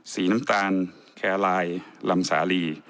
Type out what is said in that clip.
สีน้ำตาลแคลายลำสาลี